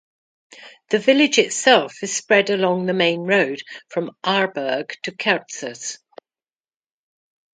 The village itself is spread along the main road from Aarberg to Kerzers.